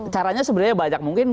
caranya sebenarnya banyak mungkin